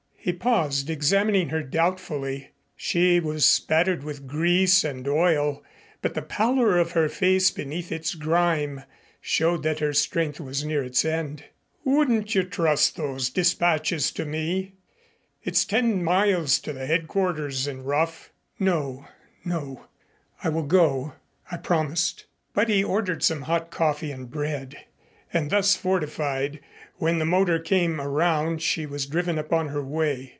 He paused, examining her doubtfully. She was spattered with grease and oil, but the pallor of her face beneath its grime showed that her strength was near its end. "Wouldn't you trust those dispatches to me? It's ten miles to headquarters and rough." "No no, I will go. I promised." But he ordered some hot coffee and bread, and thus fortified, when the motor came around she was driven upon her way.